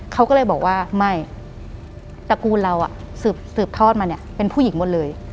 เขาก็เลยบอกว่าไม่ตระกูลเราสืบทอดมาเนี่ยเป็นผู้หญิงหมดเลย